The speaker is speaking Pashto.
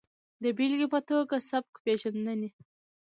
د بېلګې په ټوګه سبک پېژندنې